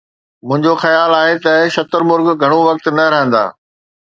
منهنجو خيال آهي ته شتر مرغ گهڻو وقت نه رهندا.